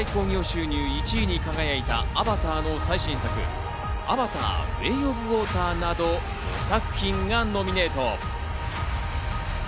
全世界歴代興行収入１位に輝いた『アバター』の最新作『アバター：ウェイ・オブ・ウォーター』など５作品がノミネート。